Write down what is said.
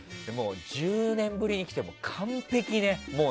１０年ぶりに来ても完璧ね。